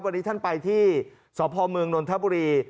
วันนี้ท่านไปที่สมนทะบุรี